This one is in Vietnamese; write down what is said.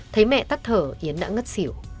thấy mẹ tắt thở yến đã ngất xỉu